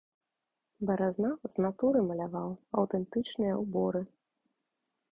Баразна з натуры маляваў аўтэнтычныя ўборы.